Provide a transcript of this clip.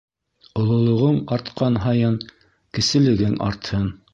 Ололоғоң артҡан һайын кеселегең артһын.